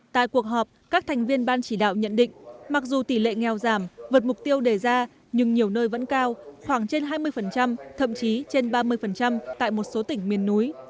tại cuộc họp các thành viên ban chỉ đạo nhận định mặc dù tỷ lệ nghèo giảm vượt mục tiêu đề ra nhưng nhiều nơi vẫn cao khoảng trên hai mươi thậm chí trên ba mươi tại một số tỉnh miền núi